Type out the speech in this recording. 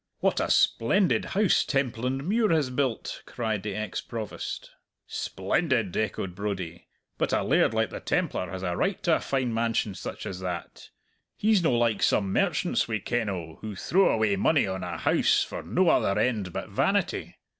"What a splendid house Templandmuir has built!" cried the ex Provost. "Splendid!" echoed Brodie. "But a laird like the Templar has a right to a fine mansion such as that! He's no' like some merchants we ken o' who throw away money on a house for no other end but vanity.